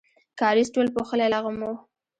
کاریز ټول پوښلی لغم و.